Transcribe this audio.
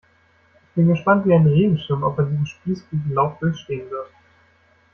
Ich bin gespannt wie ein Regenschirm, ob er diesen Spießrutenlauf durchstehen wird.